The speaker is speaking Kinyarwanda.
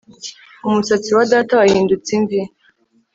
Umusatsi wa Data wahindutse imvi